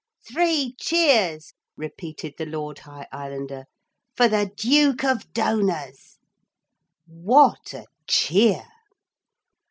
'Three cheers,' repeated the Lord High Islander, 'for the Duke of Donors.' What a cheer!